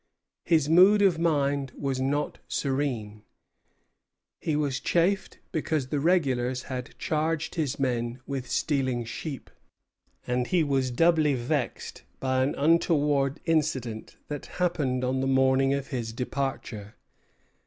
His mood of mind was not serene. He was chafed because the regulars had charged his men with stealing sheep; and he was doubly vexed by an untoward incident that happened on the morning of his departure.